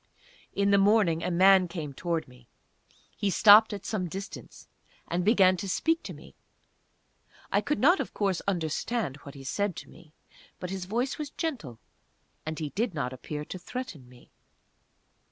In the morning a man came towards me. He stopped at some distance, and began to speak to me. I could not, of course, understand what he said to me, but his voice was gentle, and he did not appear to threaten me.